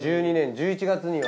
２０１２年１１月には。